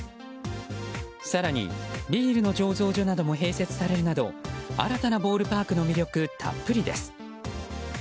更に、ビールの醸造所なども併設されるなど新たなボールパークの魅力たっぷりです。